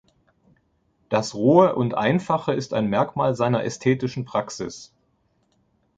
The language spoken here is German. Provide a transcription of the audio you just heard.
Das Rohe und Einfache ist ein Merkmal seiner ästhetischen Praxis.